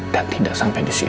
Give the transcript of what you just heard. dan tidak sampai disitu